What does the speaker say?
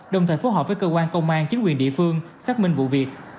đồng thời phối hợp với cơ quan công an chính quyền địa phương xác minh vụ việc